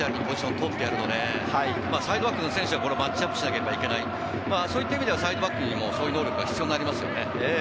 サイドバックの選手がマッチアップしなければならない、そういった意味でサイドバックにもそういう能力が必要になりますね。